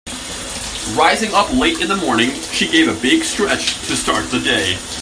Rising up late in the morning she gave a big stretch to start the day.